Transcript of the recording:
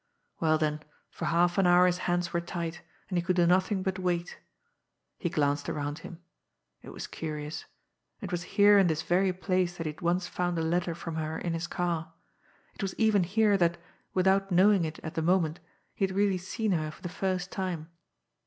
Well then, for half an hour his hands were tied, and he could do nothing but wait. He glanced around him. It was curious! It was here in this very place that he had once found a letter from her in his car; it was even here that, without knowing it at the moment, he had really seen her for the first time.